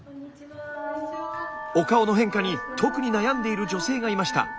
お顔の変化に特に悩んでいる女性がいました。